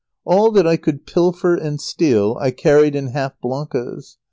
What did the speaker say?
] All that I could pilfer and steal I carried in half "blancas."